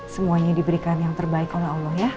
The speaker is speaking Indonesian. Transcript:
semuanya diberikan yang terbaik oleh allah ya